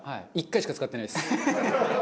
１回しか使ってないです。